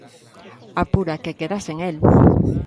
Apura que quedas sen el!